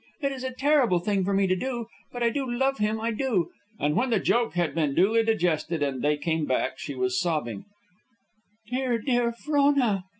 It is a terrible thing for me to do. But I do love him, I do!" And when the joke had been duly digested and they came back, she was sobbing, "Dear, dear Frona."